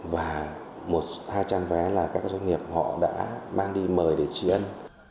và một hai trăm vé là các doanh nghiệp họ đã mang đi mời để trí ân